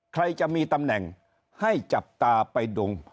ใครจะมีตำแหน่งให้จับตาไปดง